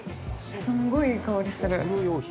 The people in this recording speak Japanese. すんごいいい香りする！